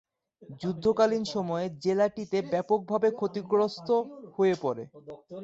যুদ্ধকালীন সময়ে জেলাটিতে ব্যাপকভাবে ক্ষতিগ্রস্ত হয়ে পড়ে।